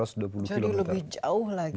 jadi lebih jauh lagi ya